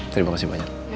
terima kasih banyak